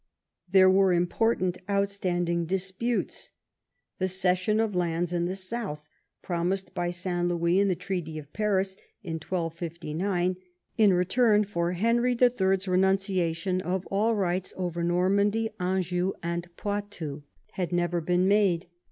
There were important outstanding disputes. The cessions of lands in the south, promised by St. Louis in the Treaty of Paris in 1259 in return for Henry HL's renunciation of all rights over Normandy, Anjou, and Poitou, had never been 88 EDWARD I chap. made.